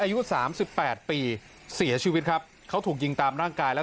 อายุสามสิบแปดปีเสียชีวิตครับเขาถูกยิงตามร่างกายแล้ว